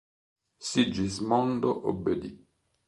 Sigismondo obbedì.